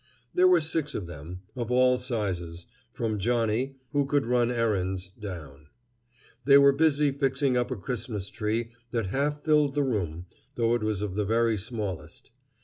There were six of them, of all sizes, from Johnnie, who could run errands, down. They were busy fixing up a Christmas tree that half filled the room, though it was of the very smallest.